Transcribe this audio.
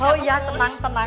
oh ya tenang tenang